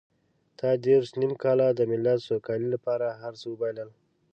تا دېرش نيم کاله د ملت سوکالۍ لپاره هر څه وبایلل.